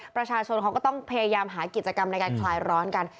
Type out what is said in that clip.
ประชาชนเขาก็ต้องพยายามหากิจกรรมในการคลายร้อนกัน